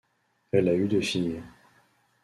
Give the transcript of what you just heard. Elle a eu deux filles.